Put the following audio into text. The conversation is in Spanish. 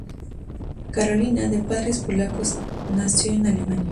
Carolina, de padres polacos, nació en Alemania.